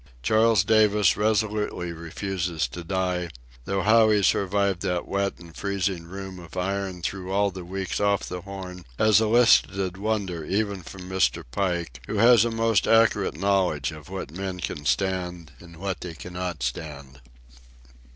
Charles Davis resolutely refuses to die, though how he survived that wet and freezing room of iron through all the weeks off the Horn has elicited wonder even from Mr. Pike, who has a most accurate knowledge of what men can stand and what they cannot stand.